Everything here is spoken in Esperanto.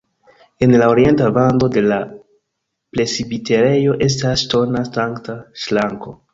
En la orienta vando de la presbiterejo estas ŝtona sankta ŝranko.